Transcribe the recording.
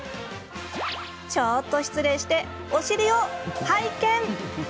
ちょっと失礼して、お尻を拝見。